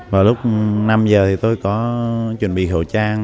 vào lúc năm h tôi có chuẩn bị hậu trang